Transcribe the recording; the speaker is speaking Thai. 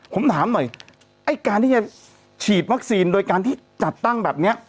ผมถามหน่อยไอ้การที่จะฉีดวัคซีนโดยการที่จัดตั้งแบบนี้